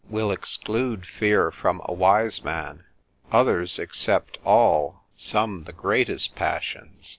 will exclude fear from a wise man: others except all, some the greatest passions.